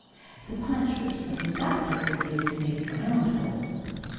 The punch which the conductor had used made round holes.